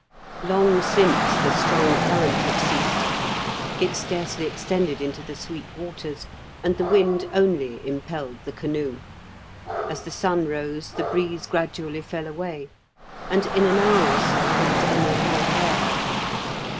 Long since the strong current had ceased, it scarcely extended into the sweet waters, and the wind only impelled the canoe. As the sun rose the breeze gradually fell away, and in an hour or so there was only a light air.